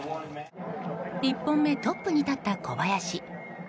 １本目トップに立った小林。